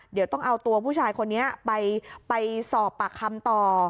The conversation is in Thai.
เดี๋ยวต้องเอาตัวผู้ชายคนนี้ไปสอบปากคำต่อ